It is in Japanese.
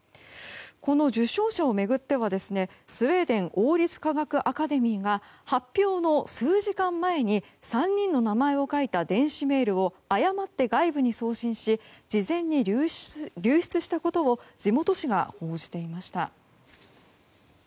この受賞者を巡ってはスウェーデン王立科学アカデミーが発表の数時間前に３人の名前を書いた電子メールを誤って外部に送信し事前に流出したことを地元紙が報じていました。